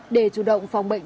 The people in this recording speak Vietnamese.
để chủ động phòng bệnh